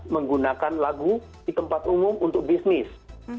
menggunakan lagu di tempat umum untuk bisnis